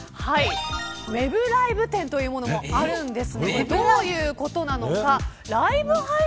ＷＥＢライブ店というものもあるんです。